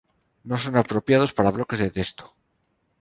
No son apropiados para bloques de texto.